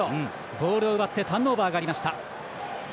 ボールを奪ってターンオーバーがありました。